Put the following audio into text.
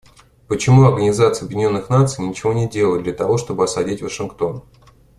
Почему Организация Объединенных Наций ничего не делает для того, чтобы осадить Вашингтон?